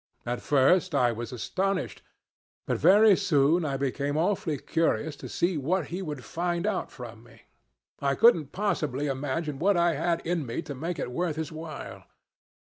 At first I was astonished, but very soon I became awfully curious to see what he would find out from me. I couldn't possibly imagine what I had in me to make it worth his while.